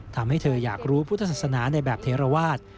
ทำให้เธออยากรู้พุทธศาสนาในแบบเทราวาส